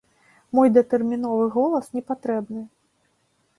Мой датэрміновы голас непатрэбны.